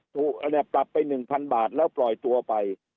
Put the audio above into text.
ตับไปหนึ่งพันบาทแล้วปล่อยตัวไป